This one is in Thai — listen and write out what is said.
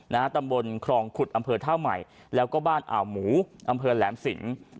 ตำบลครองขุดอำเภอท่าใหม่แล้วก็บ้านอ่าวหมูอำเภอแหลมสิน